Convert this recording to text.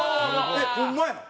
えっホンマやん！